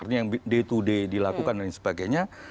yang day to day dilakukan dan sebagainya